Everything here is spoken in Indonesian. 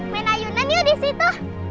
main ayunan yuk disitu